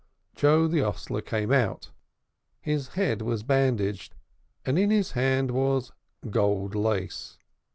Joe the hostler came out. His head was bandaged, and in his hand was gold lace.